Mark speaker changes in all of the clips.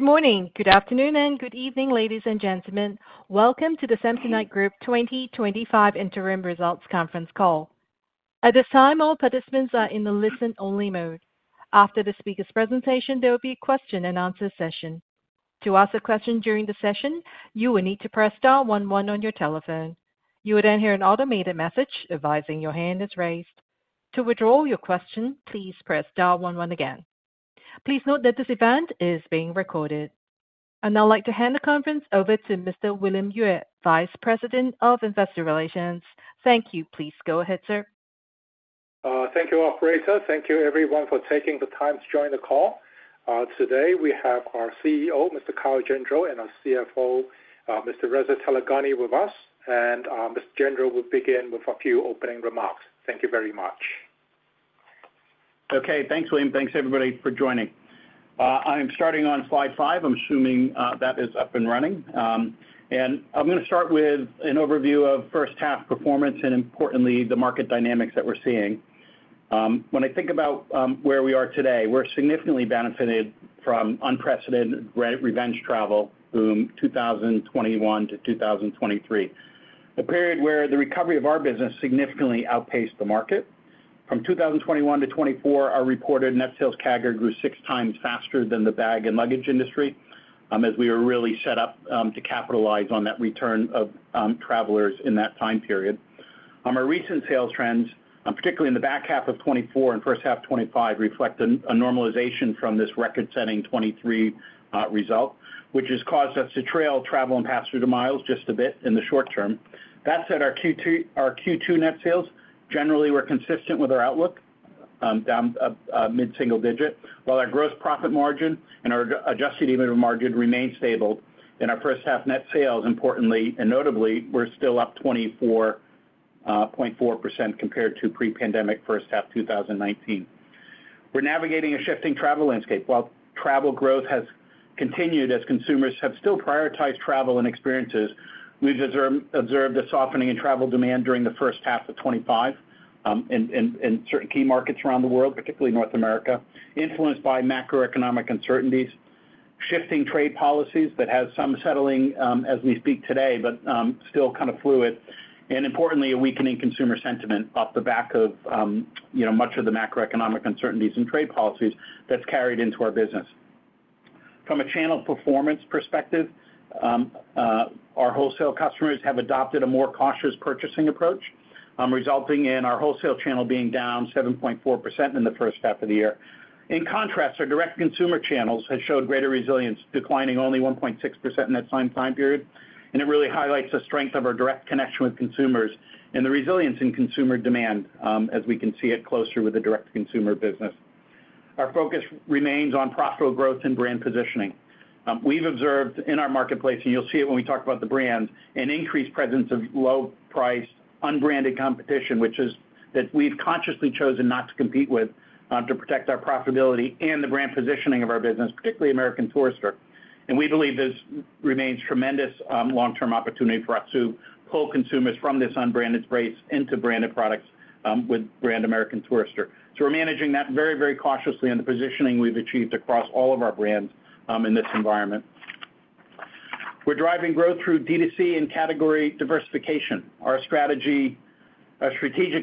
Speaker 1: Good morning, good afternoon, and good evening, ladies and gentlemen. Welcome to the Samsonite Group 2025 Interim Results Conference Call. At this time, all participants are in the listen-only mode. After the speaker's presentation, there will be a question and answer session. To ask a question during the session, you will need to press star one one on your telephone. You will then hear an automated message advising your hand is raised. To withdraw your question, please press star one one again. Please note that this event is being recorded. I'd like to hand the conference over to Mr. William Yue, Vice President of Investor Relations. Thank you. Please go ahead, sir.
Speaker 2: Thank you, operator. Thank you, everyone, for taking the time to join the call. Today, we have our CEO, Mr. Kyle Gendreau, and our CFO, Mr. Reza Taleghani, with us. Mr. Gendreau will begin with a few opening remarks. Thank you very much.
Speaker 3: Okay. Thanks, William. Thanks, everybody, for joining. I am starting on slide five. I'm assuming that is up and running. I'm going to start with an overview of first-half performance and, importantly, the market dynamics that we're seeing. When I think about where we are today, we're significantly benefited from unprecedented revenge travel from 2022-2023, a period where the recovery of our business significantly outpaced the market. From 2021-2024, our reported net sales CAGR grew 6x faster than the bag and luggage industry, as we were really set up to capitalize on that return of travelers in that time period. Our recent sales trends, particularly in the back half of 2024 and first half of 2025, reflect a normalization from this record-setting 2023 result, which has caused us to trail travel and pass through the miles just a bit in the short term. That said, our Q2 net sales generally were consistent with our outlook, down mid-single digit, while our gross profit margin and our adjusted earnings margin remained stable. In our first half net sales, importantly and notably, we're still up 24.4% compared to pre-pandemic first half 2019. We're navigating a shifting travel landscape. While travel growth has continued as consumers have still prioritized travel and experiences, we've observed a softening in travel demand during the first half of 2025 in certain key markets around the world, particularly North America, influenced by macro-economic uncertainties, shifting trade policies that have some settling as we speak today, but still kind of fluid, and importantly, a weakening consumer sentiment off the back of much of the macro-economic uncertainties and trade policies that's carried into our business. From a channel performance perspective, our wholesale customers have adopted a more cautious purchasing approach, resulting in our wholesale channel being down 7.4% in the first half of the year. In contrast, our direct-to-consumer channels have shown greater resilience, declining only 1.6% in that same time period. It really highlights the strength of our direct connection with consumers and the resilience in consumer demand, as we can see it closer with the direct-to-consumer business. Our focus remains on profitable growth and brand positioning. We've observed in our marketplace, and you'll see it when we talk about the brands, an increased presence of low-priced unbranded competition, which is that we've consciously chosen not to compete with to protect our profitability and the brand positioning of our business, particularly American Tourister. We believe this remains tremendous long-term opportunity for us to pull consumers from this unbranded space into branded products with brand American Tourister. We're managing that very, very cautiously in the positioning we've achieved across all of our brands in this environment. We're driving growth through DTC and category diversification. Our strategic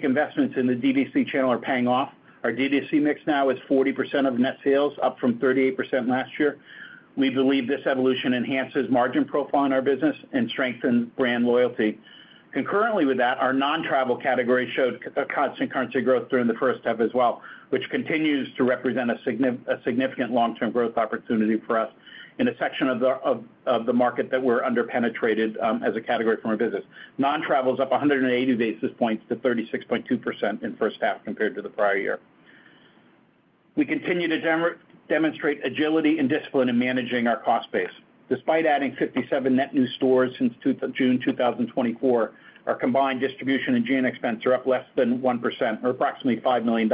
Speaker 3: investments in the DTC channel are paying off. Our DTC mix now is 40% of net sales, up from 38% last year. We believe this evolution enhances margin profile in our business and strengthens brand loyalty. Concurrently with that, our non-travel category showed a constant currency growth during the first half as well, which continues to represent a significant long-term growth opportunity for us in a section of the market that we're underpenetrated as a category for our business. Non-travel is up 180 basis points to 36.2% in the first half compared to the prior year. We continue to demonstrate agility and discipline in managing our cost base. Despite adding 57 net new stores since June 2024, our combined distribution and G&A expense are up less than 1%, or approximately $5 million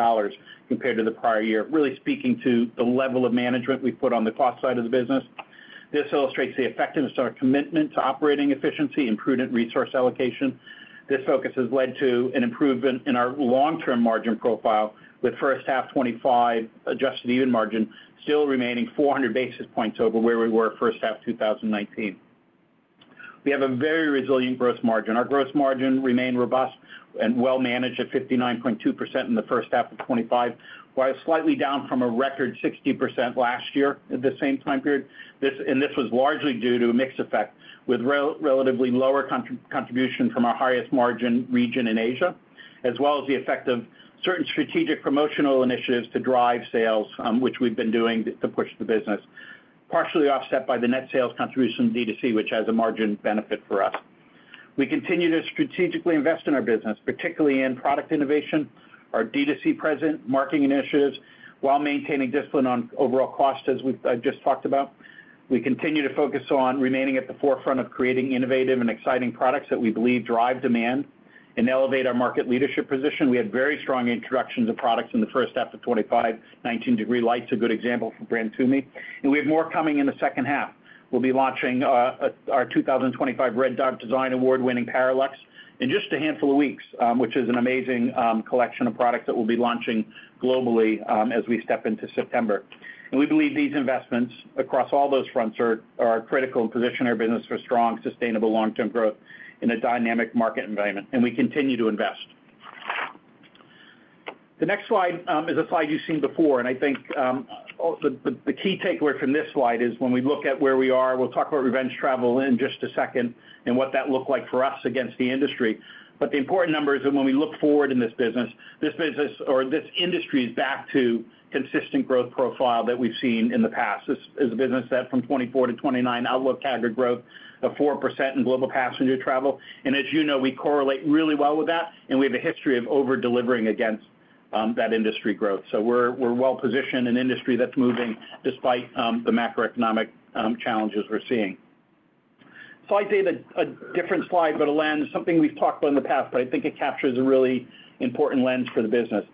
Speaker 3: compared to the prior year, really speaking to the level of management we've put on the cost side of the business. This illustrates the effectiveness of our commitment to operating efficiency and prudent resource allocation. This focus has led to an improvement in our long-term margin profile, with first half 2025 adjusted EBITDA margin still remaining 400 basis points over where we were first half 2019. We have a very resilient gross margin. Our gross margin remained robust and well managed at 59.2% in the first half of 2025, while slightly down from a record 60% last year at the same time period. This was largely due to a mix effect, with relatively lower contribution from our highest margin region in Asia, as well as the effect of certain strategic promotional initiatives to drive sales, which we've been doing to push the business, partially offset by the net sales contribution of DTC, which has a margin benefit for us. We continue to strategically invest in our business, particularly in product innovation, our DTC-present marketing initiatives, while maintaining discipline on overall cost, as we've just talked about. We continue to focus on remaining at the forefront of creating innovative and exciting products that we believe drive demand and elevate our market leadership position. We had very strong introductions of products in the first half of 2025. 19 Degree Lite is a good example for brand Tumi. We have more coming in the second half. We'll be launching our 2025 Red Dot Design Award-winning Paralux in just a handful of weeks, which is an amazing collection of products that we'll be launching globally as we step into September. We believe these investments across all those fronts are critical and position our business for strong, sustainable long-term growth in a dynamic market environment. We continue to invest. The next slide is a slide you've seen before. I think the key takeaway from this slide is when we look at where we are, we'll talk about revenge travel in just a second and what that looked like for us against the industry. The important number is that when we look forward in this business, this business or this industry is back to consistent growth profile that we've seen in the past. As the business said, from 2024-2029, outlook CAGR growth of 4% in global passenger travel. As you know, we correlate really well with that. We have a history of over-delivering against that industry growth. We're well positioned in an industry that's moving despite the macro-economic challenges we're seeing. Slide eight, a different slide, but a lens, something we've talked about in the past, but I think it captures a really important lens for the business.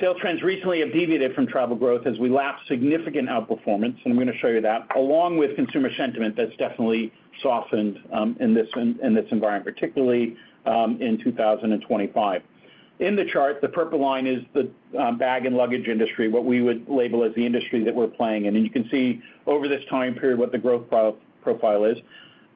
Speaker 3: Sales trends recently have deviated from travel growth as we lapped significant outperformance. I'm going to show you that, along with consumer sentiment that's definitely softened in this environment, particularly in 2025. In the chart, the purple line is the bag and luggage industry, what we would label as the industry that we're playing in. You can see over this time period what the growth profile is.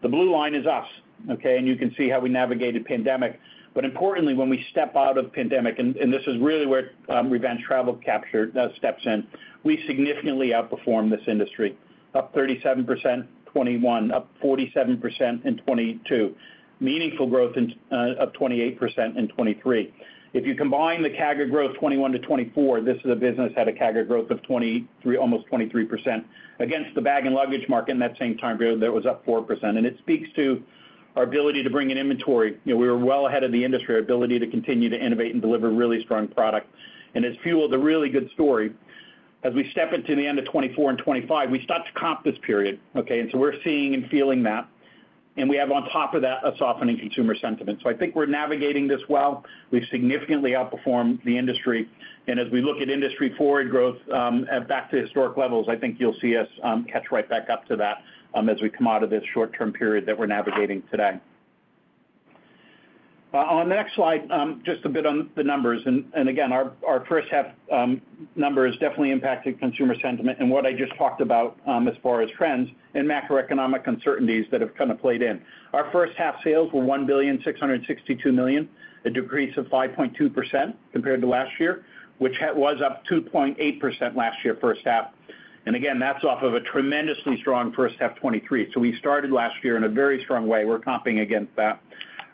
Speaker 3: The blue line is us. You can see how we navigated the pandemic. Importantly, when we step out of the pandemic, and this is really where revenge travel capture steps in, we significantly outperformed this industry, up 37% in 2021, up 47% in 2022, meaningful growth up 28% in 2023. If you combine the CAGR growth 2021-2024, this is a business that had a CAGR growth of almost 23% against the bag and luggage market in that same time period that was up 4%. It speaks to our ability to bring in inventory. We were well ahead of the industry, our ability to continue to innovate and deliver really strong product. It has fueled a really good story. As we step into the end of 2024 and 2025, we start to comp this period. We are seeing and feeling that. We have on top of that a softening consumer sentiment. I think we're navigating this well. We've significantly outperformed the industry. As we look at industry forward growth back to historic levels, I think you'll see us catch right back up to that as we come out of this short-term period that we're navigating today. On the next slide, just a bit on the numbers. Again, our first half number has definitely impacted consumer sentiment and what I just talked about as far as trends and macro-economic uncertainties that have kind of played in. Our first half sales were $1,662,000,000, a decrease of 5.2% compared to last year, which was up 2.8% last year, first half. Again, that's off of a tremendously strong first half 2023. We started last year in a very strong way. We're comping against that.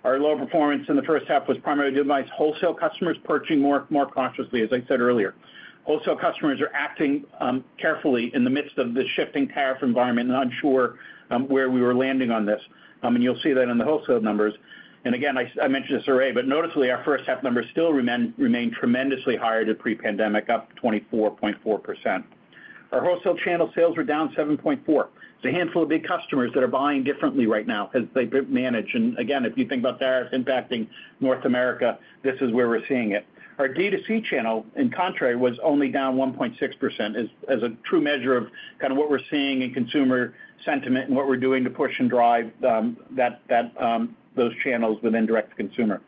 Speaker 3: Our low performance in the first half was primarily driven by wholesale customers purchasing more consciously. As I said earlier, wholesale customers are acting carefully in the midst of the shifting tariff environment and unsure where we were landing on this. You'll see that in the wholesale numbers. I mentioned this already, but notably, our first half numbers still remain tremendously higher than pre-pandemic, up 24.4%. Our wholesale channel sales were down 7.4%. It's a handful of big customers that are buying differently right now because they manage. If you think about tariff impacting North America, this is where we're seeing it. Our DTC channel, in contrary, was only down 1.6% as a true measure of kind of what we're seeing in consumer sentiment and what we're doing to push and drive those channels within direct-to-consumer.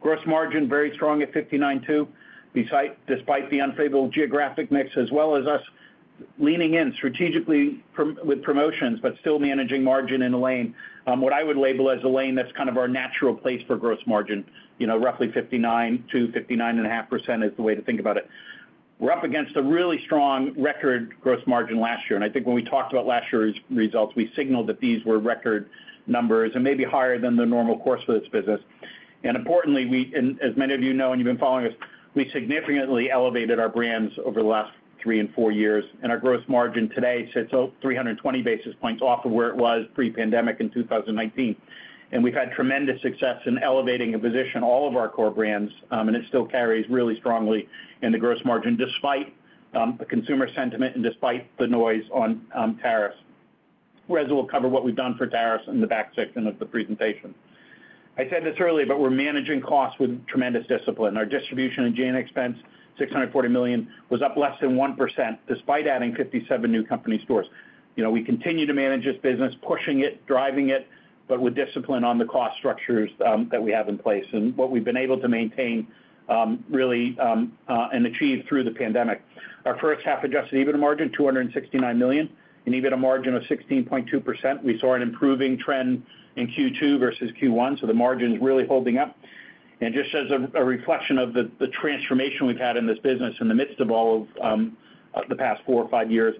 Speaker 3: Gross margin very strong at 59.2%, despite the unfavorable geographic mix as well as us leaning in strategically with promotions, but still managing margin in a lane, what I would label as a lane that's kind of our natural place for gross margin. Roughly 59.2%-59.5% is the way to think about it. We're up against a really strong record gross margin last year. I think when we talked about last year's results, we signaled that these were record numbers and maybe higher than the normal course for this business. Importantly, as many of you know and you've been following us, we significantly elevated our brands over the last three and four years. Our gross margin today sits at 320 basis points off of where it was pre-pandemic in 2019. We've had tremendous success in elevating and positioning all of our core brands. It still carries really strongly in the gross margin despite the consumer sentiment and despite the noise on tariffs. Reza will cover what we've done for tariffs in the back section of the presentation. I said this earlier, but we're managing costs with tremendous discipline. Our distribution and G&A expense, $640 million, was up less than 1% despite adding 57 new company stores. We continue to manage this business, pushing it, driving it, but with discipline on the cost structures that we have in place and what we've been able to maintain really and achieve through the pandemic. Our first half adjusted EBITDA margin, $269 million, an EBITDA margin of 16.2%. We saw an improving trend in Q2 versus Q1. The margin is really holding up. Just as a reflection of the transformation we've had in this business in the midst of all of the past four or five years,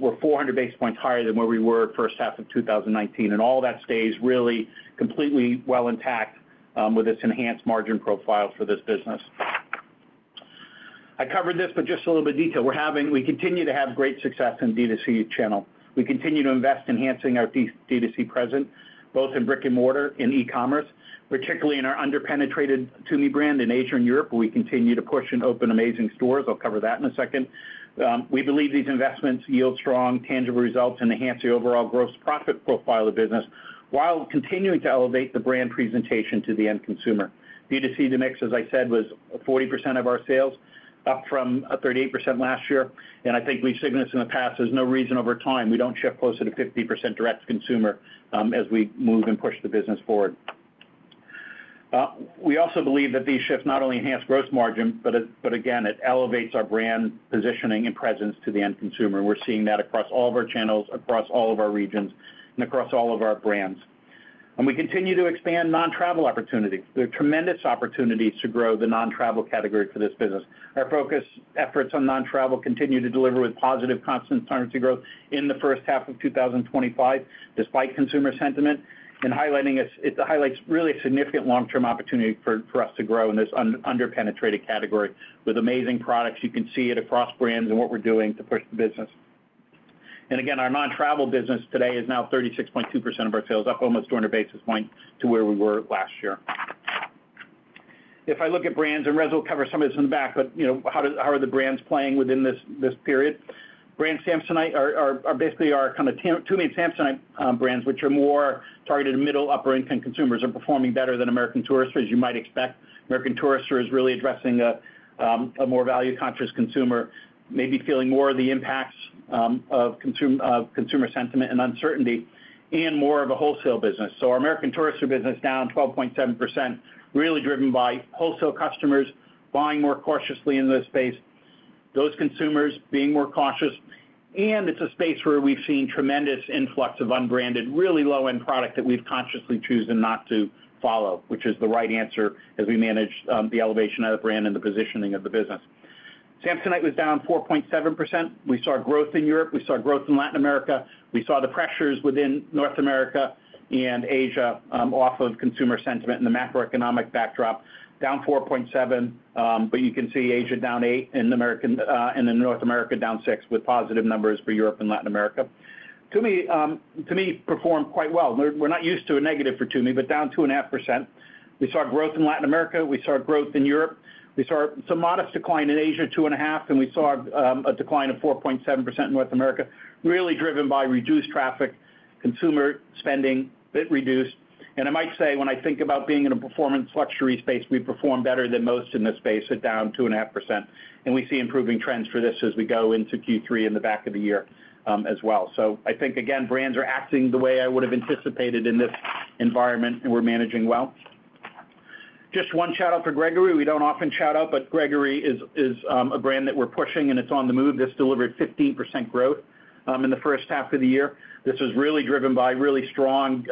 Speaker 3: we're 400 basis points higher than where we were first half of 2019. All that stays really completely well intact with this enhanced margin profile for this business. I covered this, but just a little bit of detail. We continue to have great success in DTC channel. We continue to invest in enhancing our DTC present, both in brick and mortar and e-commerce, particularly in our underpenetrated Tumi brand in Asia and Europe, where we continue to push and open amazing stores. I'll cover that in a second. We believe these investments yield strong, tangible results and enhance the overall gross profit profile of the business while continuing to elevate the brand presentation to the end consumer. DTC to mix, as I said, was 40% of our sales, up from 38% last year. I think we've signaled this in the past. There's no reason over time we don't shift closer to 50% direct-to-consumer as we move and push the business forward. We also believe that these shifts not only enhance gross margin, but again, it elevates our brand positioning and presence to the end consumer. We're seeing that across all of our channels, across all of our regions, and across all of our brands. We continue to expand non-travel opportunities. There are tremendous opportunities to grow the non-travel category for this business. Our focused efforts on non-travel continue to deliver with positive constant currency growth in the first half of 2025, despite consumer sentiment. It highlights really a significant long-term opportunity for us to grow in this underpenetrated category with amazing products. You can see it across brands and what we're doing to push the business. Our non-travel business today is now 36.2% of our sales, up almost 200 basis points to where we were last year. If I look at brands, and Reza will cover some of this in the back, how are the brands playing within this period? Brands Samsonite are basically our kind of Tumi and Samsonite brands, which are more targeted to middle and upper-income consumers, are performing better than American Tourister, as you might expect. American Tourister is really addressing a more value-conscious consumer, maybe feeling more of the impacts of consumer sentiment and uncertainty and more of a wholesale business. Our American Tourister business is down 12.7%, really driven by wholesale customers buying more cautiously in this space, those consumers being more cautious. It's a space where we've seen tremendous influx of unbranded, really low-end product that we've consciously chosen not to follow, which is the right answer as we manage the elevation of the brand and the positioning of the business. Samsonite was down 4.7%. We saw growth in Europe. We saw growth in Latin America. We saw the pressures within North America and Asia off of consumer sentiment and the macro-economic backdrop, down 4.7%. You can see Asia down 8% and in North America down 6% with positive numbers for Europe and Latin America. Tumi performed quite well. We're not used to a negative for Tumi, but down 2.5%. We saw growth in Latin America. We saw growth in Europe. We saw some modest decline in Asia, 2.5%. We saw a decline of 4.7% in North America, really driven by reduced traffic and consumer spending a bit reduced. I might say when I think about being in a performance luxury space, we perform better than most in this space at down 2.5%. We see improving trends for this as we go into Q3 in the back of the year as well. I think, again, brands are acting the way I would have anticipated in this environment, and we're managing well. Just one shout out for Gregory. We do not often shout out, but Gregory is a brand that we're pushing, and it's on the move. This delivered 15% growth in the first half of the year. This was really driven by really strong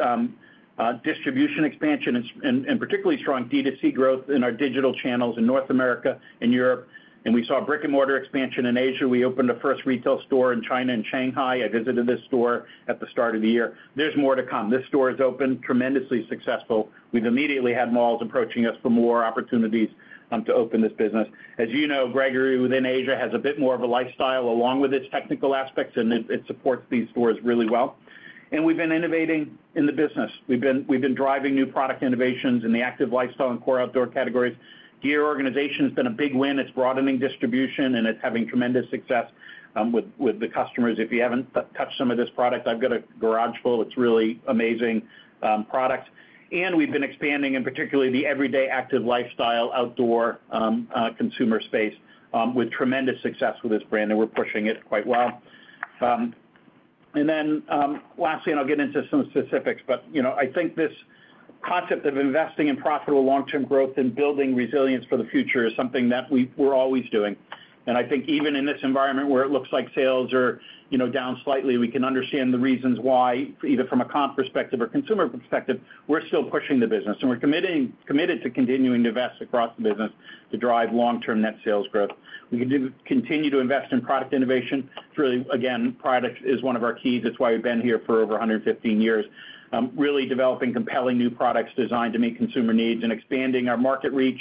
Speaker 3: distribution expansion and particularly strong DTC growth in our digital channels in North America and Europe. We saw brick and mortar expansion in Asia. We opened a first retail store in China in Shanghai. I visited this store at the start of the year. There's more to come. This store is open, tremendously successful. We've immediately had malls approaching us for more opportunities to open this business. As you know, Gregory within Asia has a bit more of a lifestyle along with its technical aspects, and it supports these stores really well. We've been innovating in the business. We've been driving new product innovations in the active lifestyle and core outdoor categories. Gear organization has been a big win. It's broadening distribution, and it's having tremendous success with the customers. If you haven't touched some of this product, I've got a garage full. It's really amazing products. We've been expanding in particularly the everyday active lifestyle outdoor consumer space with tremendous success with this brand, and we're pushing it quite well. Lastly, I'll get into some specifics, but I think this concept of investing in profitable long-term growth and building resilience for the future is something that we're always doing. I think even in this environment where it looks like sales are down slightly, we can understand the reasons why, either from a comp perspective or consumer perspective, we're still pushing the business. We're committed to continuing to invest across the business to drive long-term net sales growth. We can continue to invest in product innovation. It's really, again, product is one of our keys. It's why we've been here for over 115 years, really developing compelling new products designed to meet consumer needs and expanding our market reach,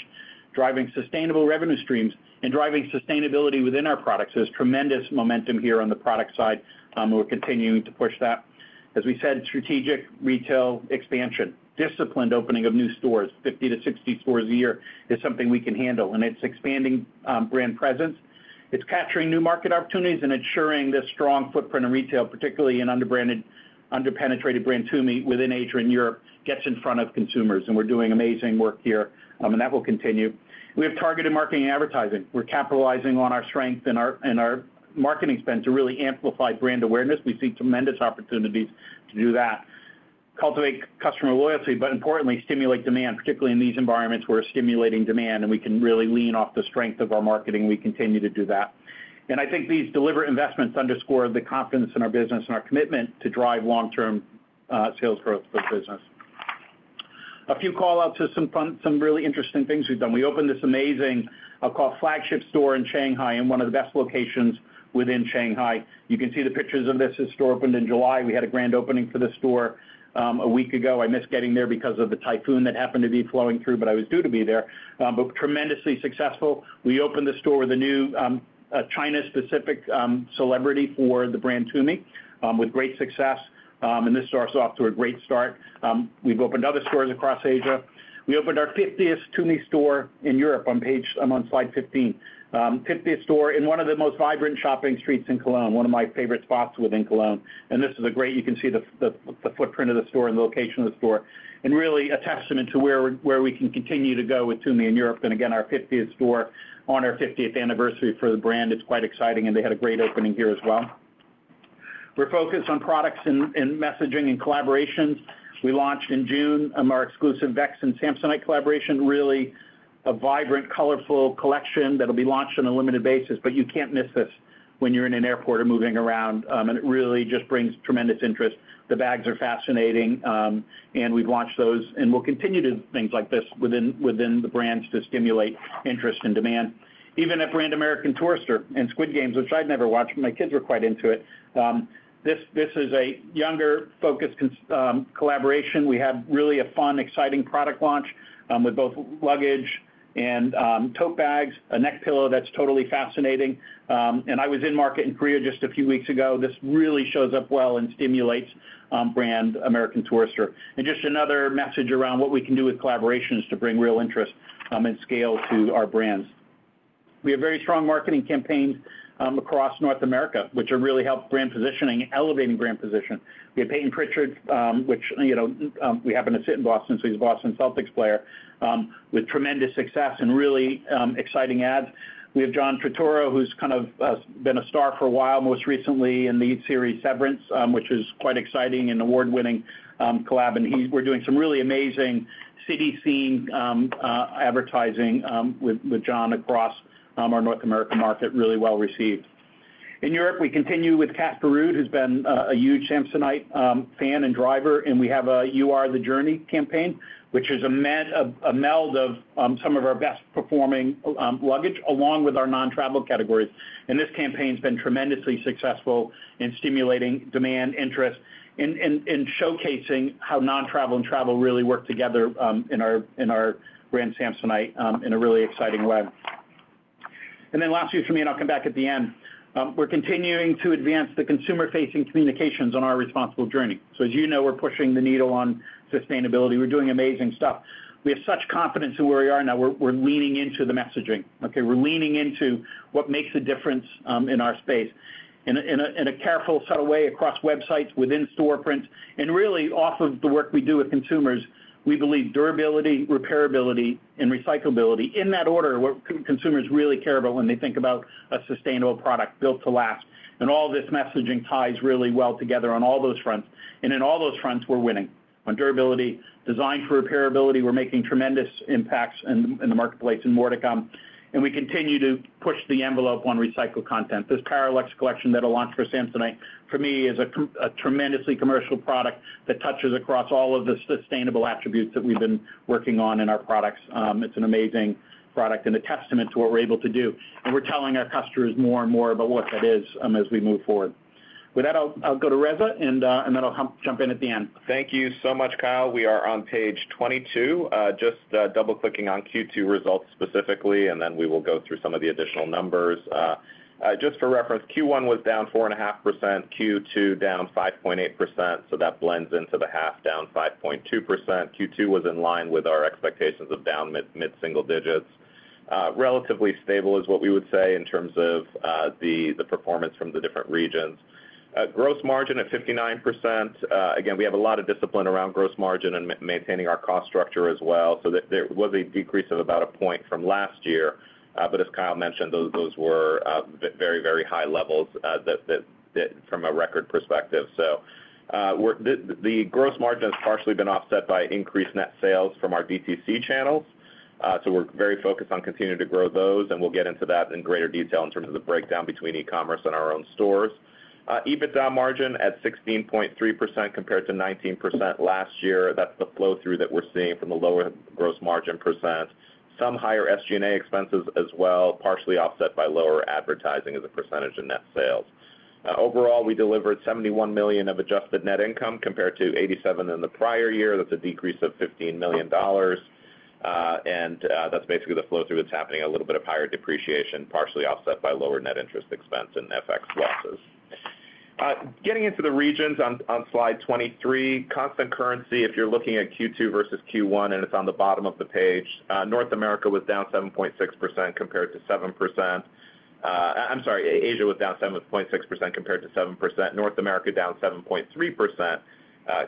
Speaker 3: driving sustainable revenue streams, and driving sustainability within our products. There's tremendous momentum here on the product side, and we're continuing to push that. As we said, strategic retail expansion, disciplined opening of new stores, 50-60 stores a year is something we can handle. It's expanding brand presence, capturing new market opportunities, and ensuring this strong footprint in retail, particularly in underpenetrated brand Tumi within Asia and Europe, gets in front of consumers. We're doing amazing work here, and that will continue. We have targeted marketing and advertising. We're capitalizing on our strength and our marketing spend to really amplify brand awareness. We see tremendous opportunities to do that, cultivate customer loyalty, but importantly, stimulate demand, particularly in these environments where we're stimulating demand. We can really lean off the strength of our marketing. We continue to do that. I think these deliberate investments underscore the confidence in our business and our commitment to drive long-term sales growth for the business. A few call-outs to some really interesting things we've done. We opened this amazing, I'll call it, flagship store in Shanghai in one of the best locations within Shanghai. You can see the pictures of this. This store opened in July. We had a grand opening for this store a week ago. I missed getting there because of the typhoon that happened to be flowing through, but I was due to be there. Tremendously successful. We opened the store with a new China-specific celebrity for the brand Tumi, with great success. This starts off to a great start. We've opened other stores across Asia. We opened our 50th Tumi store in Europe. I'm on slide 15. 50th store in one of the most vibrant shopping streets in Cologne, one of my favorite spots within Cologne. This is a great, you can see the footprint of the store and the location of the store. Really a testament to where we can continue to go with Tumi in Europe. Again, our 50th store on our 50th anniversary for the brand. It's quite exciting. They had a great opening here as well. We're focused on products and messaging and collaborations. We launched in June our exclusive Vexx and Samsonite collaboration, really a vibrant, colorful collection that'll be launched on a limited basis. You can't miss this when you're in an airport or moving around. It really just brings tremendous interest. The bags are fascinating. We've launched those, and we'll continue to do things like this within the brands to stimulate interest and demand. Even at brand American Tourister and Squid Game, which I'd never watched, but my kids were quite into it. This is a younger-focused collaboration. We had really a fun, exciting product launch with both luggage and tote bags, a neck pillow that's totally fascinating. I was in market in Korea just a few weeks ago. This really shows up well and stimulates brand American Tourister. Just another message around what we can do with collaborations to bring real interest and scale to our brands. We have very strong marketing campaigns across North America, which really help brand positioning, elevating brand position. We have Payton Pritchard, which we happen to sit in Boston. He's a Boston Celtics player with tremendous success and really exciting ads. We have John Turturro, who's kind of been a star for a while, most recently in the hit series Severance, which is quite exciting and award-winning collab. We're doing some really amazing city scene advertising with John across our North America market, really well received. In Europe, we continue with Kat Garrud, who's been a huge Samsonite fan and driver. We have a You Are the Journey campaign, which is a meld of some of our best performing luggage along with our non-travel categories. This campaign's been tremendously successful in stimulating demand interest and showcasing how non-travel and travel really work together in our brand Samsonite in a really exciting way. Last year for me, and I'll come back at the end, we're continuing to advance the consumer-facing communications on our responsible journey. As you know, we're pushing the needle on sustainability. We're doing amazing stuff. We have such confidence in where we are now. We're leaning into the messaging. We're leaning into what makes a difference in our space in a careful, subtle way across websites, within store prints, and really off of the work we do with consumers. We believe durability, repairability, and recyclability, in that order, are what consumers really care about when they think about a sustainable product built to last. All of this messaging ties really well together on all those fronts. In all those fronts, we're winning on durability and design for repairability. We're making tremendous impacts in the marketplace and more to come. We continue to push the envelope on recycled content. This Paralux collection that will launch for Samsonite, for me, is a tremendously commercial product that touches across all of the sustainable attributes that we've been working on in our products. It's an amazing product and a testament to what we're able to do. We're telling our customers more and more about what that is as we move forward. With that, I'll go to Reza, and then I'll jump in at the end.
Speaker 4: Thank you so much, Kyle. We are on page 22, just double-clicking on Q2 results specifically. Then we will go through some of the additional numbers. Just for reference, Q1 was down 4.5%, Q2 down 5.8%. That blends into the half down 5.2%. Q2 was in line with our expectations of down mid-single digits. Relatively stable is what we would say in terms of the performance from the different regions. Gross margin at 59%. We have a lot of discipline around gross margin and maintaining our cost structure as well. There was a decrease of about a point from last year. As Kyle mentioned, those were very, very high levels from a record perspective. The gross margin has partially been offset by increased net sales from our DTC channels. We are very focused on continuing to grow those. We will get into that in greater detail in terms of the breakdown between e-commerce and our own stores. EBITDA margin at 16.3% compared to 19% last year. That's the flow-through that we're seeing from the lower gross margin percent. Some higher SG&A expenses as well, partially offset by lower advertising as a percentage in net sales. Overall, we delivered $71 million of adjusted net income compared to $87 million in the prior year. That's a decrease of $15 million. That's basically the flow-through that's happening, a little bit of higher depreciation, partially offset by lower net interest expense and FX losses. Getting into the regions on slide 23, constant currency, if you're looking at Q2 versus Q1, and it's on the bottom of the page, Asia was down 7.6% compared to 7%. North America down 7.3%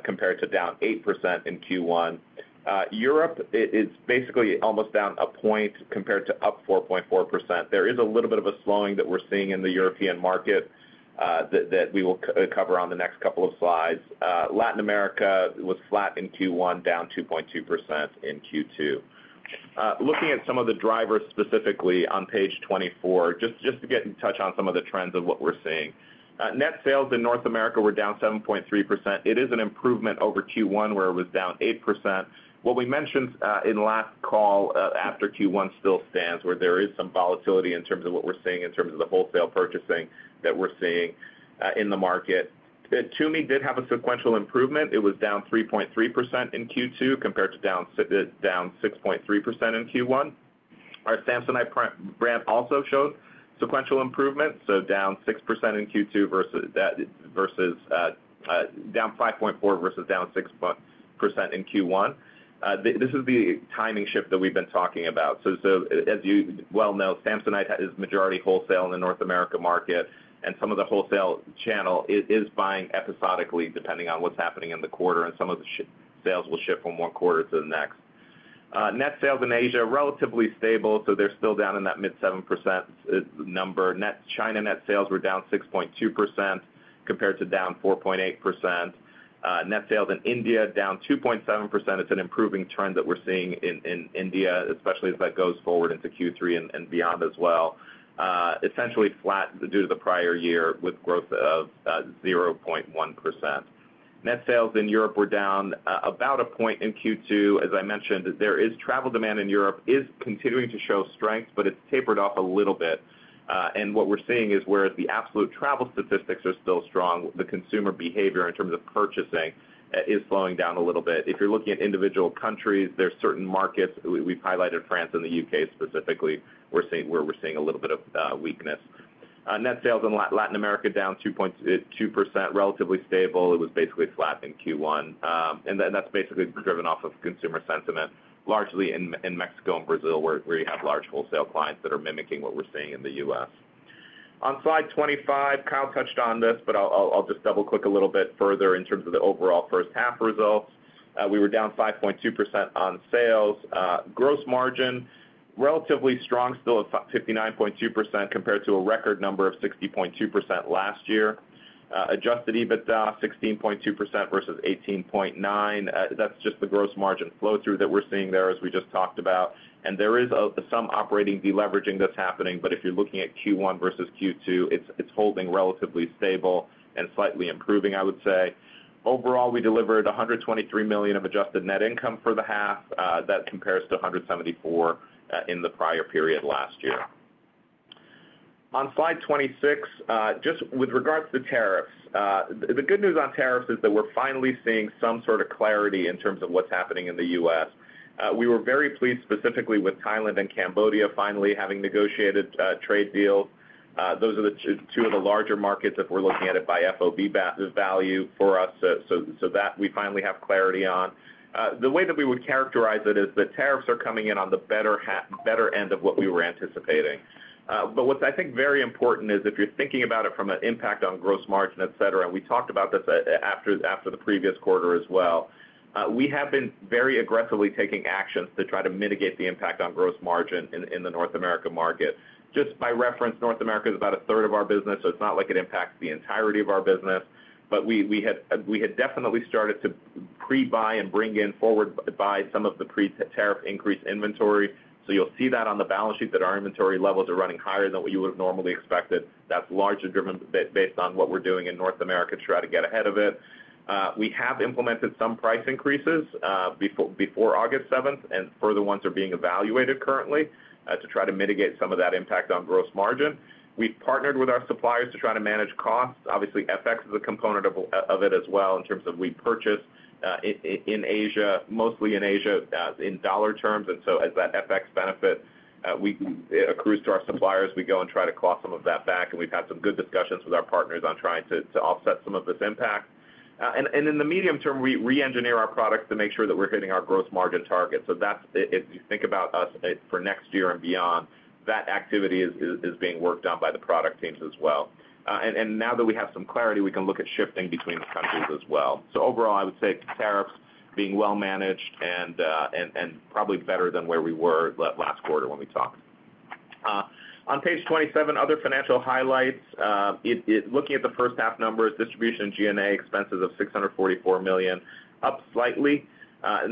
Speaker 4: compared to down 8% in Q1. Europe is basically almost down a point compared to up 4.4%. There is a little bit of a slowing that we're seeing in the European market that we will cover on the next couple of slides. Latin America was flat in Q1, down 2.2% in Q2. Looking at some of the drivers specifically on page 24, just to touch on some of the trends of what we're seeing. Net sales in North America were down 7.3%. It is an improvement over Q1, where it was down 8%. What we mentioned in the last call after Q1 still stands, where there is some volatility in terms of what we're seeing in terms of the wholesale purchasing that we're seeing in the market. Tumi did have a sequential improvement. It was down 3.3% in Q2 compared to down 6.3% in Q1. Our Samsonite brand also showed sequential improvement, down 6% in Q2 versus down 5.4% versus down 6% in Q1. This is the timing shift that we've been talking about. As you well know, Samsonite is majority wholesale in the North America market, and some of the wholesale channel is buying episodically, depending on what's happening in the quarter. Some of the sales will shift from one quarter to the next. Net sales in Asia are relatively stable. They're still down in that mid-7% number. China net sales were down 6.2% compared to down 4.8%. Net sales in India down 2.7%. It's an improving trend that we're seeing in India, especially as that goes forward into Q3 and beyond as well. Essentially flat due to the prior year with growth of 0.1%. Net sales in Europe were down about a point in Q2. As I mentioned, there is travel demand in Europe continuing to show strength, but it's tapered off a little bit. What we're seeing is where the absolute travel statistics are still strong, the consumer behavior in terms of purchasing is slowing down a little bit. If you're looking at individual countries, there's certain markets we've highlighted, France and the UK specifically, where we're seeing a little bit of weakness. Net sales in Latin America down 2.2%, relatively stable. It was basically flat in Q1, and that's basically driven off of consumer sentiment, largely in Mexico and Brazil, where you have large wholesale clients that are mimicking what we're seeing in the U.S. On slide 25, Kyle touched on this, but I'll just double-click a little bit further in terms of the overall first half results. We were down 5.2% on sales. Gross margin relatively strong still at 59.2% compared to a record number of 60.2% last year. Adjusted EBITDA 16.2% versus 18.9%. That's just the gross margin flow-through that we're seeing there, as we just talked about. There is some operating deleveraging that's happening. If you're looking at Q1 versus Q2, it's holding relatively stable and slightly improving, I would say. Overall, we delivered $123 million of adjusted net income for the half. That compares to $174 million in the prior period last year. On slide 26, just with regard to the tariffs, the good news on tariffs is that we're finally seeing some sort of clarity in terms of what's happening in the U.S. We were very pleased specifically with Thailand and Cambodia finally having negotiated trade deals. Those are the two of the larger markets that we're looking at by FOB value for us. That we finally have clarity on. The way that we would characterize it is the tariffs are coming in on the better end of what we were anticipating. What I think is very important is if you're thinking about it from an impact on gross margin, etc., and we talked about this after the previous quarter as well, we have been very aggressively taking actions to try to mitigate the impact on gross margin in the North America market. Just by reference, North America is about a 1/3 of our business. It's not like it impacts the entirety of our business. We had definitely started to pre-buy and bring in forward-buy some of the pre-tariff increased inventory. You'll see that on the balance sheet that our inventory levels are running higher than what you would have normally expected. That's largely driven based on what we're doing in North America to try to get ahead of it. We have implemented some price increases before August 7th, and further ones are being evaluated currently to try to mitigate some of that impact on gross margin. We've partnered with our suppliers to try to manage costs. Obviously, FX is a component of it as well in terms of we purchase in Asia, mostly in Asia, in dollar terms. As that FX benefit accrues to our suppliers, we go and try to claw some of that back. We've had some good discussions with our partners on trying to offset some of this impact. In the medium term, we re-engineer our products to make sure that we're hitting our gross margin target. If you think about us for next year and beyond, that activity is being worked on by the product teams as well. Now that we have some clarity, we can look at shifting between these countries as well. Overall, I would say tariffs being well managed and probably better than where we were last quarter when we talked. On page 27, other financial highlights. Looking at the first half numbers, distribution and G&A expenses of $644 million, up slightly.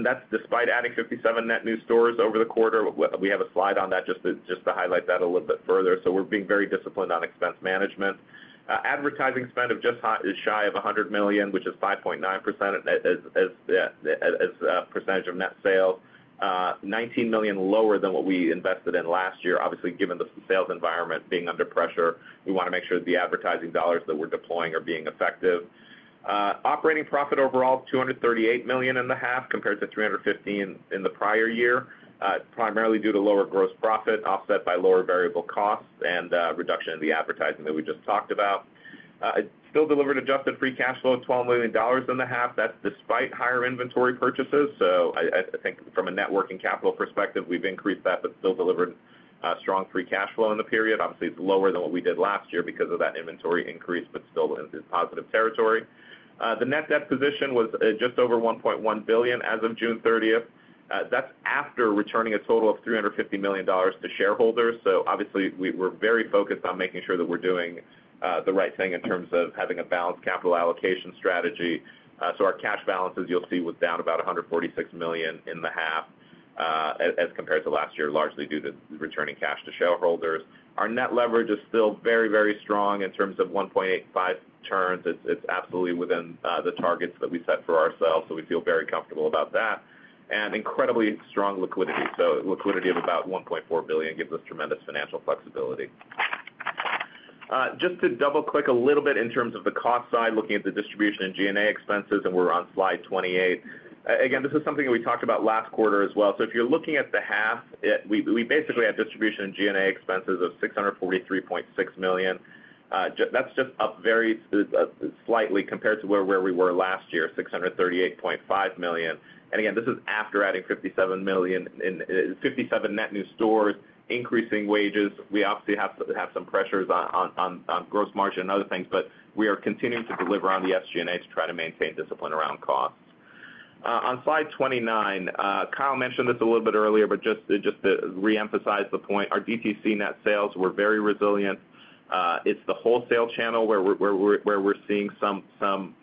Speaker 4: That's despite adding 57 net new stores over the quarter. We have a slide on that just to highlight that a little bit further. We're being very disciplined on expense management. Advertising spend is just shy of $100 million, which is 5.9% as a percentage of net sales, $19 million lower than what we invested in last year. Obviously, given the sales environment being under pressure, we want to make sure that the advertising dollars that we're deploying are being effective. Operating profit overall, $238.5 million compared to $315 million in the prior year. It's primarily due to lower gross profit offset by lower variable costs and reduction in the advertising that we just talked about. Still delivered adjusted free cash flow at $12.5 million. That's despite higher inventory purchases. I think from a networking capital perspective, we've increased that, but still delivered strong free cash flow in the period. Obviously, it's lower than what we did last year because of that inventory increase, but still in positive territory. The net debt position was just over $1.1 billion as of June 30th. That's after returning a total of $350 million to shareholders. Obviously, we're very focused on making sure that we're doing the right thing in terms of having a balanced capital allocation strategy. Our cash balances, you'll see, were down about $146 million in the half as compared to last year, largely due to returning cash to shareholders. Our net leverage is still very, very strong in terms of 1.85 turns. It's absolutely within the targets that we set for ourselves. We feel very comfortable about that. Incredibly strong liquidity. Liquidity of about $1.4 billion gives us tremendous financial flexibility. Just to double-click a little bit in terms of the cost side, looking at the distribution and G&A expenses, and we're on slide 28. Again, this is something that we talked about last quarter as well. If you're looking at the half, we basically have distribution and G&A expenses of $643.6 million. That's just up very slightly compared to where we were last year, $638.5 million. Again, this is after adding 57 net new stores, increasing wages. We obviously have to have some pressures on gross margin and other things, but we are continuing to deliver on the SG&A to try to maintain discipline around costs. On slide 29, Kyle mentioned it a little bit earlier, but just to re-emphasize the point, our DTC net sales were very resilient. It's the wholesale channel where we're seeing some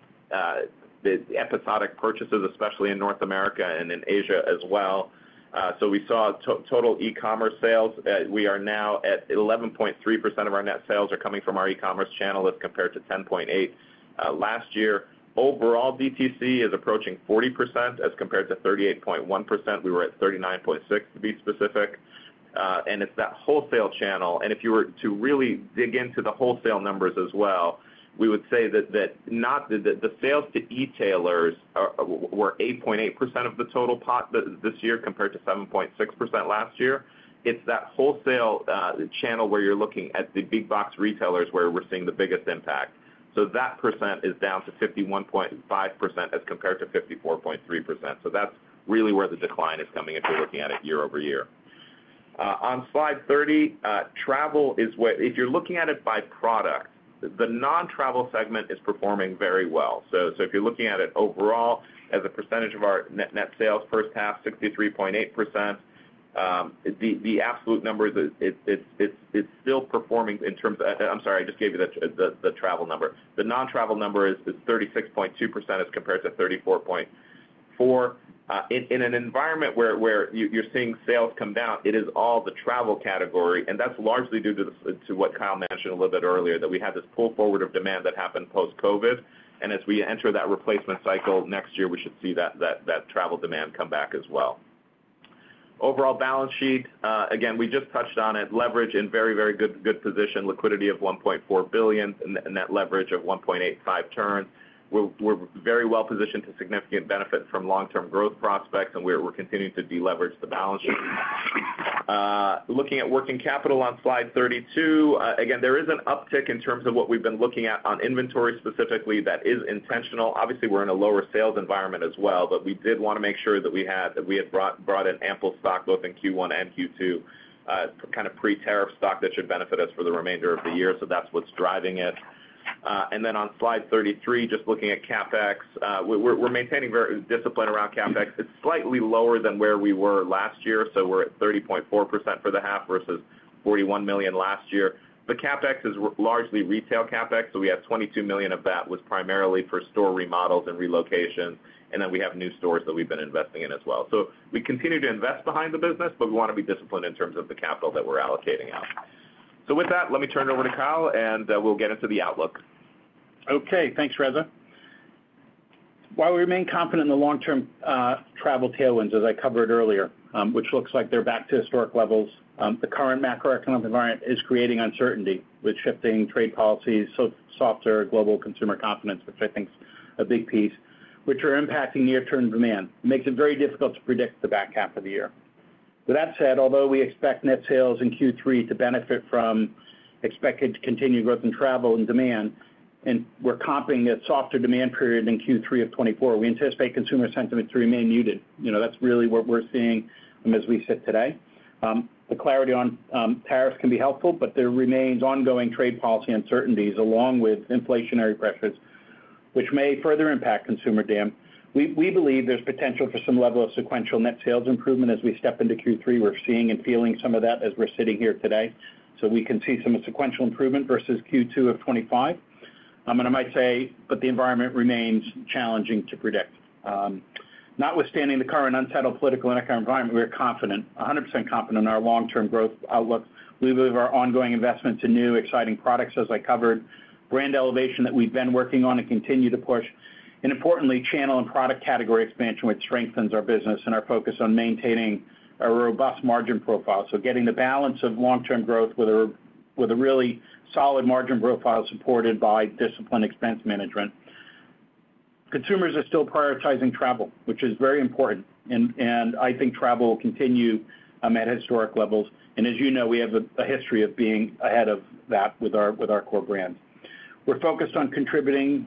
Speaker 4: episodic purchases, especially in North America and in Asia as well. We saw total e-commerce sales. We are now at 11.3% of our net sales are coming from our e-commerce channel as compared to 10.8% last year. Overall, DTC is approaching 40% as compared to 38.1%. We were at 39.6% to be specific. It's that wholesale channel. If you were to really dig into the wholesale numbers as well, we would say that the sales to e-tailers were 8.8% of the total pot this year compared to 7.6% last year. It's that wholesale channel where you're looking at the big box retailers where we're seeing the biggest impact. That percent is down to 51.5% as compared to 54.3%. That's really where the decline is coming if we're looking at it year over year. On slide 30, travel is what, if you're looking at it by product, the non-travel segment is performing very well. If you're looking at it overall as a percentage of our net sales first half, 63.8%, the absolute number is it's still performing in terms of, I'm sorry, I just gave you the travel number. The non-travel number is 36.2% as compared to 34.4%. In an environment where you're seeing sales come down, it is all the travel category. That's largely due to what Kyle mentioned a little bit earlier, that we had this pull forward of demand that happened post-COVID. As we enter that replacement cycle next year, we should see that travel demand come back as well. Overall balance sheet, again, we just touched on it. Leverage in very, very good position. Liquidity of $1.4 billion and net leverage of 1.85 turns. We're very well positioned to significant benefit from long-term growth prospects. We're continuing to deleverage the balance sheet. Looking at working capital on slide 32, again, there is an uptick in terms of what we've been looking at on inventory specifically that is intentional. Obviously, we're in a lower sales environment as well, but we did want to make sure that we had brought in ample stock, both in Q1 and Q2, kind of pre-tariff stock that should benefit us for the remainder of the year. That's what's driving it. On slide 33, just looking at CapEx, we're maintaining very discipline around CapEx. It's slightly lower than where we were last year. We're at $30.4 million for the half versus $41 million last year. CapEx is largely retail CapEx. We had $22 million of that was primarily for store remodels and relocations. We have new stores that we've been investing in as well. We continue to invest behind the business, but we want to be disciplined in terms of the capital that we're allocating out. With that, let me turn it over to Kyle, and we'll get into the outlook.
Speaker 3: OK, thanks, Reza. While we remain confident in the long-term travel tailwinds, as I covered earlier, which looks like they're back to historic levels, the current macroeconomic environment is creating uncertainty with shifting trade policies and softer global consumer confidence, which I think is a big piece, which are impacting near-term demand. It makes it very difficult to predict the back half of the year. With that said, although we expect net sales in Q3 to benefit from expected continued growth in travel and demand, and we're comping a softer demand period in Q3 of 2024, we anticipate consumer sentiment to remain muted. That's really what we're seeing as we sit today. The clarity on tariffs can be helpful, but there remains ongoing trade policy uncertainties along with inflationary pressures, which may further impact consumer demand. We believe there's potential for some level of sequential net sales improvement as we step into Q3. We're seeing and feeling some of that as we're sitting here today. We can see some sequential improvement versus Q2 of 2025. I might say the environment remains challenging to predict. Notwithstanding the current unsettled political and economic environment, we are confident, 100% confident in our long-term growth outlook. We believe our ongoing investments in new, exciting products, as I covered, brand elevation that we've been working on and continue to push, and importantly, channel and product category expansion, which strengthens our business and our focus on maintaining a robust margin profile. Getting the balance of long-term growth with a really solid margin profile is supported by disciplined expense management. Consumers are still prioritizing travel, which is very important. I think travel will continue at historic levels. As you know, we have a history of being ahead of that with our core brands. We're focused on contributing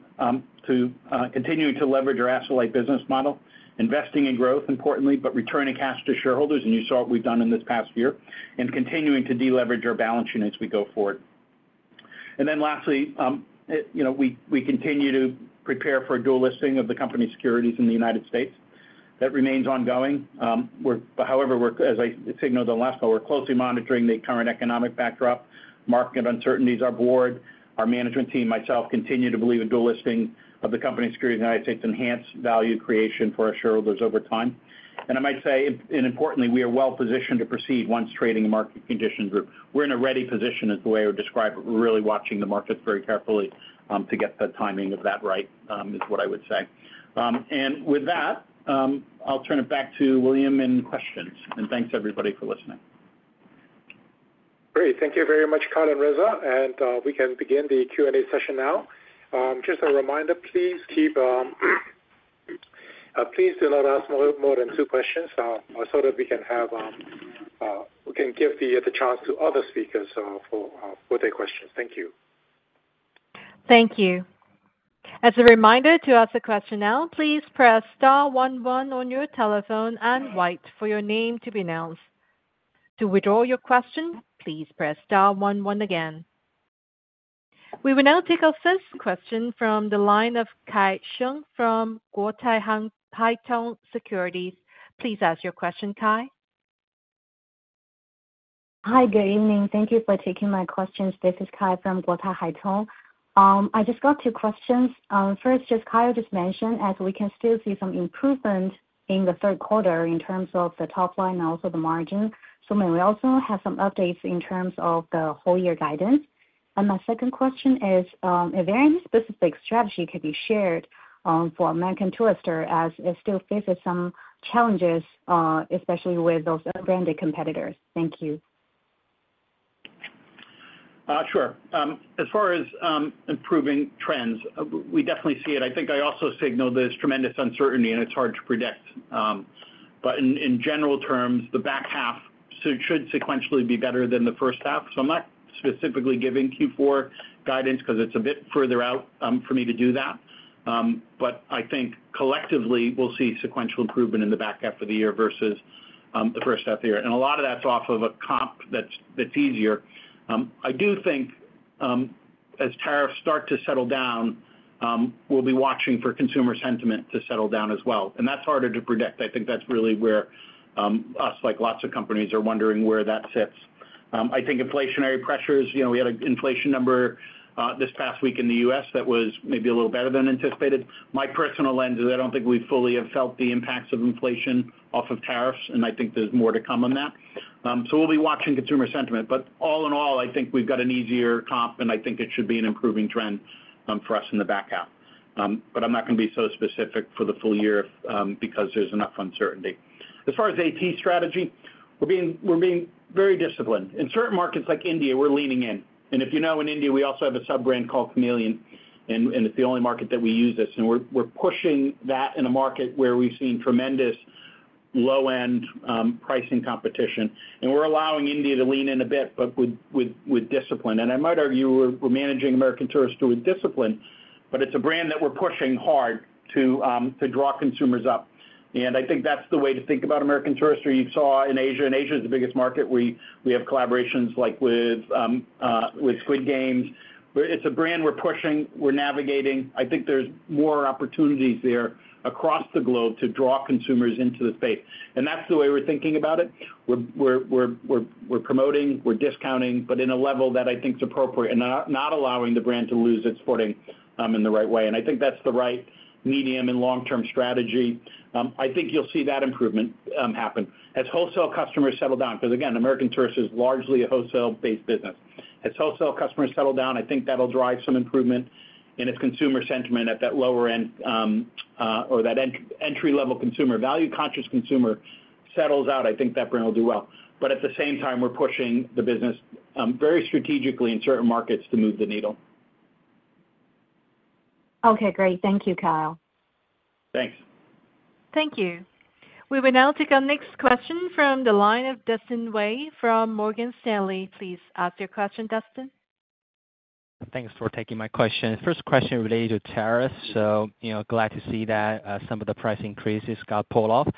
Speaker 3: to continuing to leverage our asset-light business model, investing in growth, importantly, but returning cash to shareholders. You saw what we've done in this past year and continuing to deleverage our balance sheet as we go forward. Lastly, we continue to prepare for a dual listing of the company's securities in the U.S. That remains ongoing. However, as I signaled on the last call, we're closely monitoring the current economic backdrop and market uncertainties. Our Board, our management team, myself, continue to believe a dual listing of the company's securities in the U.S. enhances value creation for our shareholders over time. I might say, and importantly, we are well positioned to proceed once trading and market conditions improve. We're in a ready position is the way I would describe it. We're really watching the markets very carefully to get the timing of that right, is what I would say. With that, I'll turn it back to William and questions. Thanks, everybody, for listening.
Speaker 2: Great. Thank you very much, Kyle and Reza. We can begin the Q&A session now. Just a reminder, please do not ask more than two questions. I thought that we can give the chance to other speakers for their questions. Thank you.
Speaker 1: Thank you. As a reminder, to ask a question now, please press star one one on your telephone and wait for your name to be announced. To withdraw your question, please press star one one again. We will now take our first question from the line of Kai Sheng from Guotai Haitong Securities. Please ask your question, Kai.
Speaker 5: Hi, good evening. Thank you for taking my questions. This is Kai from Guotai Haitong. I just got two questions. First, as Kyle just mentioned, as we can still see some improvement in the third quarter in terms of the top line and also the margin, may we also have some updates in terms of the whole year guidance? My second question is, is there any specific strategy that can be shared for American Tourister as it still faces some challenges, especially with those branded competitors? Thank you.
Speaker 3: Sure. As far as improving trends, we definitely see it. I think I also signaled there's tremendous uncertainty, and it's hard to predict. In general terms, the back half should sequentially be better than the first half. I'm not specifically giving Q4 guidance because it's a bit further out for me to do that. I think collectively, we'll see sequential improvement in the back half of the year versus the first half of the year, and a lot of that's off of a comp that's easier. I do think as tariffs start to settle down, we'll be watching for consumer sentiment to settle down as well, and that's harder to predict. I think that's really where us, like lots of companies, are wondering where that sits. I think inflationary pressures, you know, we had an inflation number this past week in the U.S. that was maybe a little better than anticipated. My personal lens is I don't think we fully have felt the impacts of inflation off of tariffs, and I think there's more to come on that. We'll be watching consumer sentiment. All in all, I think we've got an easier comp, and I think it should be an improving trend for us in the back half. I'm not going to be so specific for the full year because there's enough uncertainty. As far as AT strategy, we're being very disciplined. In certain markets like India, we're leaning in. If you know, in India, we also have a sub-brand called Chameleon, and it's the only market that we use this. We're pushing that in a market where we've seen tremendous low-end pricing competition, and we're allowing India to lean in a bit, but with discipline. I might argue we're managing American Tourister with discipline, but it's a brand that we're pushing hard to draw consumers up, and I think that's the way to think about American Tourister. You saw in Asia, and Asia is the biggest market. We have collaborations like with Squid Game. It's a brand we're pushing. We're navigating. I think there's more opportunities there across the globe to draw consumers into the space, and that's the way we're thinking about it. We're promoting. We're discounting, but in a level that I think is appropriate and not allowing the brand to lose its footing in the right way. I think that's the right medium and long-term strategy. I think you'll see that improvement happen as wholesale customers settle down, because again, American Tourister is largely a wholesale-based business. As wholesale customers settle down, I think that'll drive some improvement. If consumer sentiment at that lower end or that entry-level consumer, value-conscious consumer settles out, I think that brand will do well. At the same time, we're pushing the business very strategically in certain markets to move the needle.
Speaker 5: OK, great. Thank you, Kyle.
Speaker 3: Thanks.
Speaker 1: Thank you. We will now take our next question from the line of Dustin Wei from Morgan Stanley. Please ask your question, Dustin.
Speaker 6: Thanks for taking my question. First question related to tariffs. Glad to see that some of the price increases got pulled off.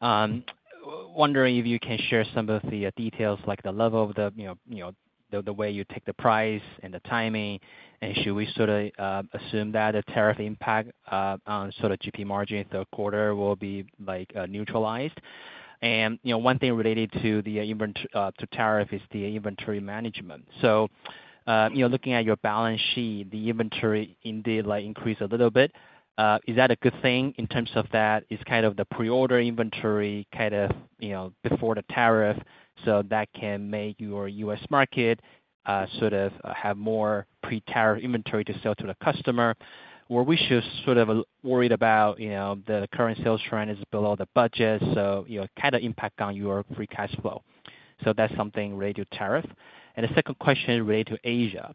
Speaker 6: Wondering if you can share some of the details, like the level of the way you take the price and the timing. Should we sort of assume that the tariff impact on sort of gross margin third quarter will be neutralized? One thing related to the tariff is the inventory management. Looking at your balance sheet, the inventory indeed increased a little bit. Is that a good thing in terms of that? Is kind of the pre-order inventory kind of before the tariff so that can make your U.S. market sort of have more pre-tariff inventory to sell to the customer? Or should we sort of worry about the current sales trend is below the budget? Kind of impact on your free cash flow. That's something related to tariff. The second question is related to Asia.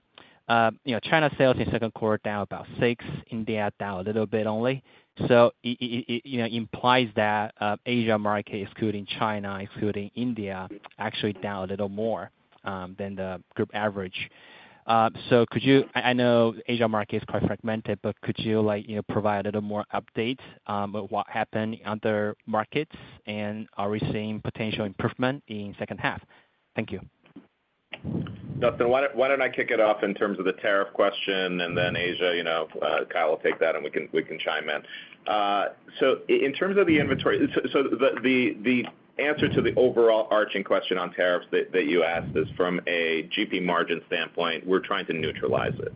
Speaker 6: China sales in the second quarter are down about 6%. India is down a little bit only. It implies that the Asia market, excluding China, excluding India, is actually down a little more than the group average. Could you, I know the Asia market is quite fragmented, but could you provide a little more update on what happened in other markets and are we seeing potential improvement in the second half? Thank you.
Speaker 4: Dustin, why don't I kick it off in terms of the tariff question? In terms of the inventory, the answer to the overall arching question on tariffs that you asked is from a gross margin standpoint, we're trying to neutralize it.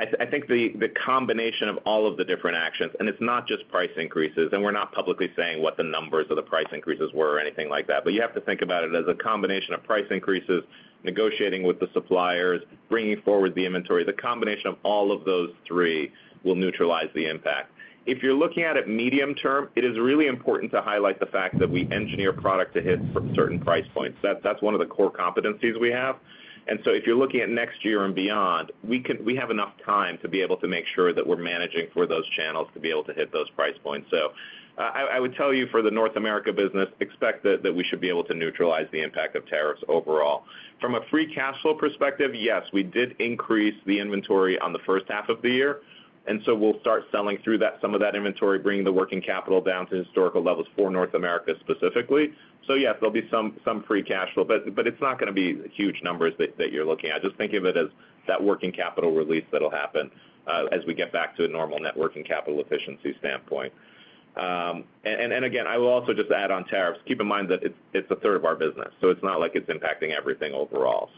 Speaker 4: I think the combination of all of the different actions, and it's not just price increases. We're not publicly saying what the numbers of the price increases were or anything like that. You have to think about it as a combination of price increases, negotiating with the suppliers, bringing forward the inventory. The combination of all of those three will neutralize the impact. If you're looking at it medium term, it is really important to highlight the fact that we engineer product to hit certain price points. That's one of the core competencies we have. If you're looking at next year and beyond, we have enough time to be able to make sure that we're managing for those channels to be able to hit those price points. I would tell you for the North America business, expect that we should be able to neutralize the impact of tariffs overall. From a free cash flow perspective, yes, we did increase the inventory in the first half of the year. We'll start selling through some of that inventory, bringing the working capital down to historical levels for North America specifically. Yes, there'll be some free cash flow. It's not going to be huge numbers that you're looking at. Just think of it as that working capital release that'll happen as we get back to a normal working capital efficiency standpoint. I will also just add on tariffs, keep in mind that it's a third of our business. It's not like it's impacting everything overall.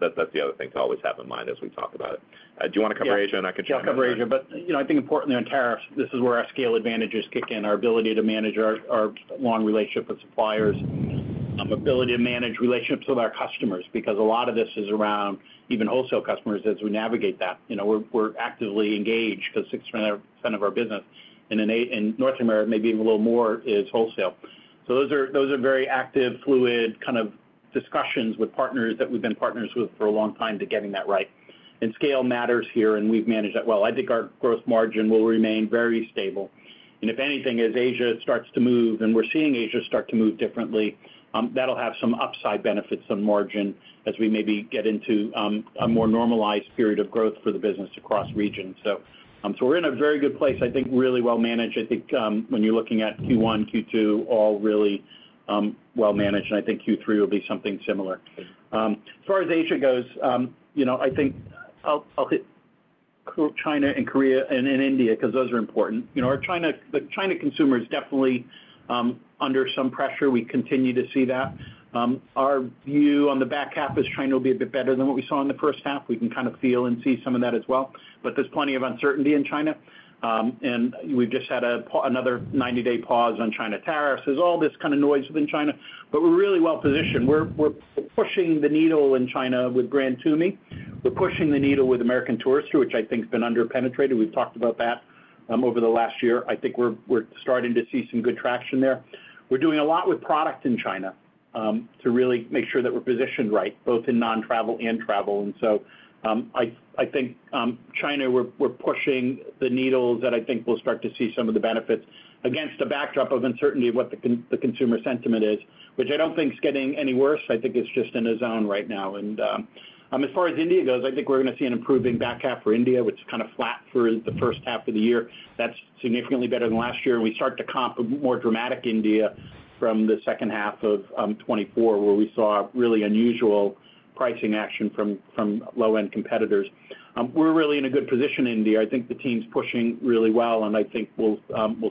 Speaker 4: That's the other thing to always have in mind as we talk about it. Do you want to cover Asia?
Speaker 3: Yeah, I'll cover Asia. I think importantly on tariffs, this is where our scale advantages kick in, our ability to manage our long relationship with suppliers, ability to manage relationships with our customers, because a lot of this is around even wholesale customers as we navigate that. We're actively engaged because 60% of our business in North America, maybe even a little more, is wholesale. Those are very active, fluid kind of discussions with partners that we've been partners with for a long time to getting that right. Scale matters here, and we've managed that well. I think our gross margin will remain very stable. If anything, as Asia starts to move, and we're seeing Asia start to move differently, that'll have some upside benefits on margin as we maybe get into a more normalized period of growth for the business across regions. We're in a very good place. I think really well managed. I think when you're looking at Q1, Q2, all really well managed. I think Q3 will be something similar. As far as Asia goes, I think I'll hit China and Korea and India because those are important. Our China consumer is definitely under some pressure. We continue to see that. Our view on the back half is China will be a bit better than what we saw in the first half. We can kind of feel and see some of that as well. There's plenty of uncertainty in China. We've just had another 90-day pause on China tariffs. There's all this kind of noise within China. We're really well positioned. We're pushing the needle in China with brand Tumi. We're pushing the needle with American Tourister, which I think has been underpenetrated. We've talked about that over the last year. I think we're starting to see some good traction there. We're doing a lot with product in China to really make sure that we're positioned right, both in non-travel and travel. I think China, we're pushing the needles that I think we'll start to see some of the benefits against the backdrop of uncertainty of what the consumer sentiment is, which I don't think is getting any worse. I think it's just in a zone right now. As far as India goes, I think we're going to see an improving back half for India, which is kind of flat for the first half of the year. That's significantly better than last year. We start to comp a more dramatic India from the second half of 2024, where we saw really unusual pricing action from low-end competitors. We're really in a good position in India. I think the team's pushing really well, and I think we'll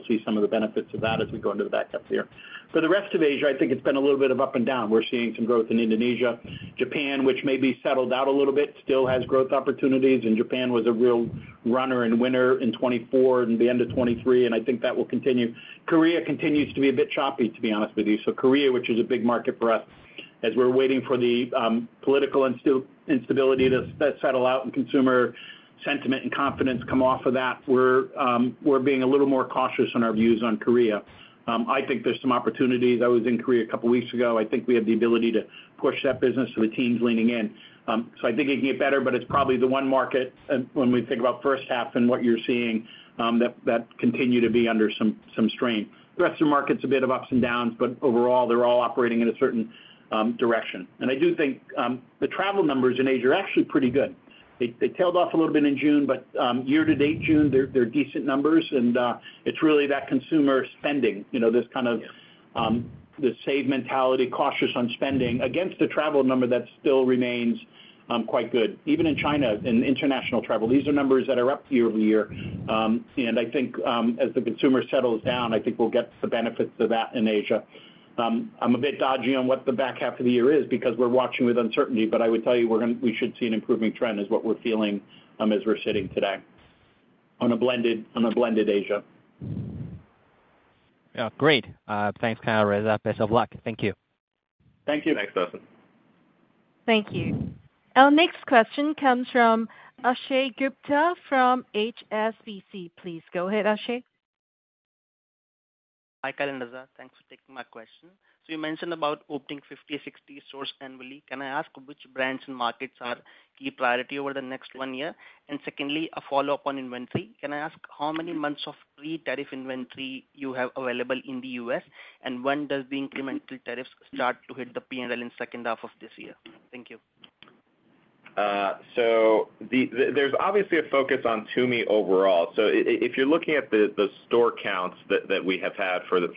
Speaker 3: see some of the benefits of that as we go into the back half of the year. For the rest of Asia, I think it's been a little bit of up and down. We're seeing some growth in Indonesia. Japan, which may be settled out a little bit, still has growth opportunities. Japan was a real runner and winner in 2024 and the end of 2023. I think that will continue. Korea continues to be a bit choppy, to be honest with you. Korea, which is a big market for us, as we're waiting for the political instability to settle out and consumer sentiment and confidence come off of that, we're being a little more cautious in our views on Korea. I think there's some opportunities. I was in Korea a couple of weeks ago. I think we have the ability to push that business. The team's leaning in. I think it can get better, but it's probably the one market when we think about first half and what you're seeing that continues to be under some strain. The rest of the market's a bit of ups and downs, but overall, they're all operating in a certain direction. I do think the travel numbers in Asia are actually pretty good. They tailed off a little bit in June, but year to date, June, they're decent numbers. It's really that consumer spending, you know, this kind of the save mentality, cautious on spending against the travel number that still remains quite good. Even in China, in international travel, these are numbers that are up year over year. I think as the consumer settles down, I think we'll get the benefits of that in Asia. I'm a bit dodgy on what the back half of the year is because we're watching with uncertainty, but I would tell you we should see an improving trend is what we're feeling as we're sitting today on a blended Asia.
Speaker 6: Great. Thanks, Kyle and Reza. Best of luck. Thank you.
Speaker 3: Thank you.
Speaker 4: Thanks, Dustin.
Speaker 1: Thank you. Our next question comes from Akshay Gupta from HSBC. Please go ahead, Akshay.
Speaker 7: Hi, Kyle and Reza. Thanks for taking my question. You mentioned about opening 50, 60 stores annually. Can I ask which brands and markets are key priority over the next one year? Secondly, a follow-up on inventory. Can I ask how many months of pre-tariff inventory you have available in the U.S.? When does the incremental tariffs start to hit the P&L in the second half of this year? Thank you.
Speaker 4: There is obviously a focus on Tumi overall. If you're looking at the store counts that we have had for the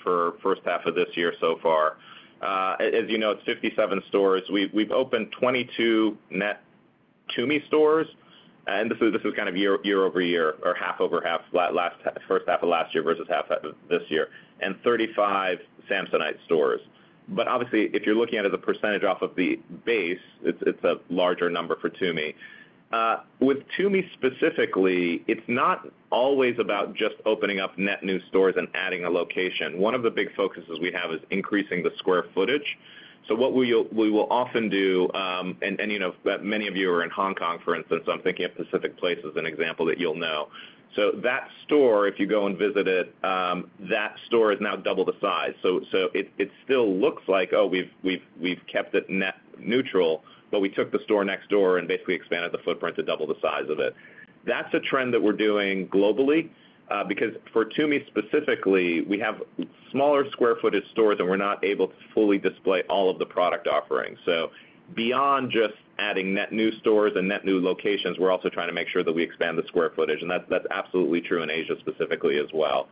Speaker 4: first half of this year so far, as you know, it's 57 stores. We've opened 22 net Tumi stores. This is kind of year-over-year or half-over-half, last first half of last year versus half of this year, and 35 Samsonite stores. If you're looking at it as a percentage off of the base, it's a larger number for Tumi. With Tumi specifically, it's not always about just opening up net new stores and adding a location. One of the big focuses we have is increasing the square footage. What we will often do, and many of you are in Hong Kong, for instance, so I'm thinking of specific places as an example that you'll know. That store, if you go and visit it, that store has now doubled the size. It still looks like, oh, we've kept it net neutral, but we took the store next door and basically expanded the footprint to double the size of it. That's a trend that we're doing globally because for Tumi specifically, we have smaller square footage stores, and we're not able to fully display all of the product offering. Beyond just adding net new stores and net new locations, we're also trying to make sure that we expand the square footage. That's absolutely true in Asia specifically as well.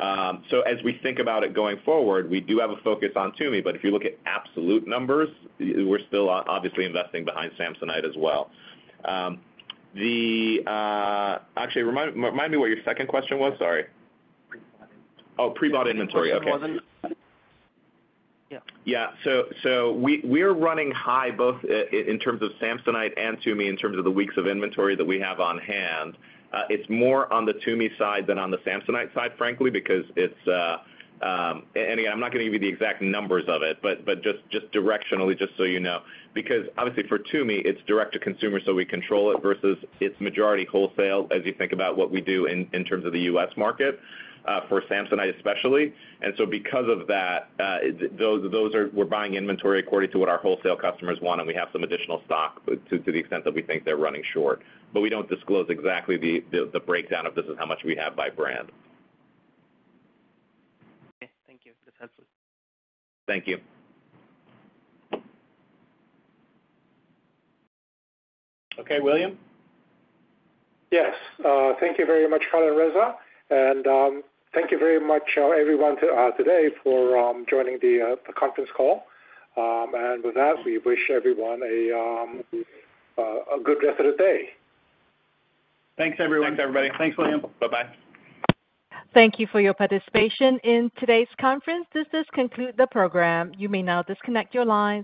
Speaker 4: As we think about it going forward, we do have a focus on Tumi. If you look at absolute numbers, we're still obviously investing behind Samsonite as well. Actually, remind me what your second question was. Sorry. Oh, pre-bought inventory. OK.
Speaker 6: Yeah.
Speaker 4: Yeah. We're running high both in terms of Samsonite and Tumi in terms of the weeks of inventory that we have on hand. It's more on the Tumi side than on the Samsonite side, frankly, because it's, and again, I'm not going to give you the exact numbers of it, but just directionally, just so you know. Obviously, for Tumi, it's direct-to-consumer, so we control it versus it's majority wholesale as you think about what we do in terms of the U.S. market for Samsonite especially. Because of that, we're buying inventory according to what our wholesale customers want. We have some additional stock to the extent that we think they're running short. We don't disclose exactly the breakdown of this is how much we have by brand.
Speaker 6: Thank you. That's helpful.
Speaker 4: Thank you.
Speaker 3: OK. William?
Speaker 2: Yes. Thank you very much, Kyle and Reza. Thank you very much, everyone, today for joining the conference call. With that, we wish everyone a good rest of the day.
Speaker 3: Thanks, everyone.
Speaker 4: Thanks, everybody.
Speaker 3: Thanks, William.
Speaker 4: Bye-bye.
Speaker 1: Thank you for your participation in today's conference. This concludes the program. You may now disconnect your lines.